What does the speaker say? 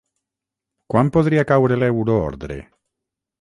Quan podria caure l’euroordre?